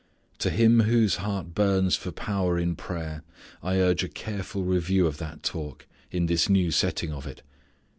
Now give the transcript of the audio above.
To him whose heart burns for power in prayer I urge a careful review of that talk in this new setting of it.